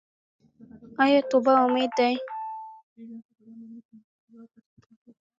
آیا توبه امید دی؟